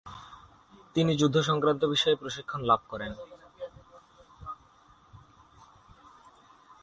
তিনি যুদ্ধসংক্রান্ত বিষয়ে প্রশিক্ষণ লাভ করেন।